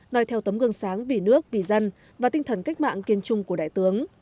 nói theo tấm gương sáng vì nước vì dân và tinh thần cách mạng kiên trung của đại tướng